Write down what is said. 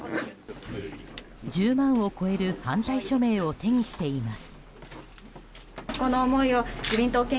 １０万を超える反対署名を手にしています。